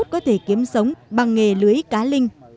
anh út có thể kiếm sống bằng nghề lưới cá linh